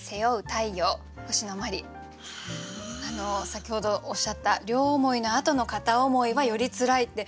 先ほどおっしゃった「両思いのあとの片思いはよりツラい」って